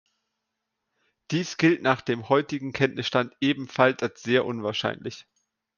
Dies gilt nach dem heutigen Kenntnisstand ebenfalls als sehr unwahrscheinlich.